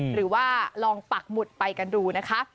หรือว่าลองปักหมุดไปกันดูนะคะ